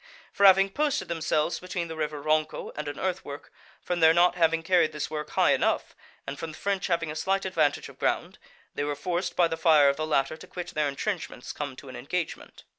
For having posted themselves between the river Ronco and an earthwork, from their not having carried this work high enough, and from the French having a slight advantage of ground, they were forced by the fire of the latter to quit their entrenchments come to an engagement.